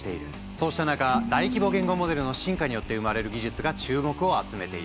そうした中大規模言語モデルの進化によって生まれる技術が注目を集めている。